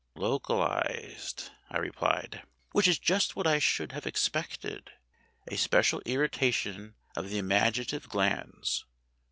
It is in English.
53 "Localized," I replied ; "which is just what I should have expected; a special irritation of the imaginative glands.